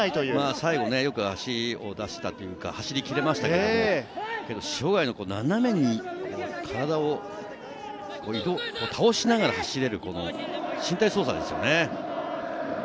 最後よく足を出したというか、走り切れましたけど、塩貝の斜めに体を倒しながら走れる身体操作ですね。